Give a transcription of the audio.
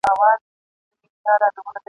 چي فرعون غوندي په خپل قدرت نازیږي !.